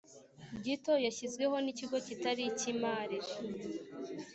Gito yashyizweho n ikigo kitari icy imari